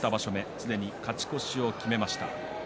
すでに勝ち越しを決めました。